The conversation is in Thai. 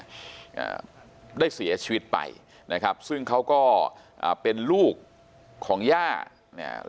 อ่าได้เสียชีวิตไปนะครับซึ่งเขาก็อ่าเป็นลูกของย่าเนี่ย